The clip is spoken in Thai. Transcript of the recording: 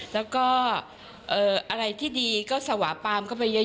แล้วก็อะไรที่ดีก็สวาปามเข้าไปเยอะ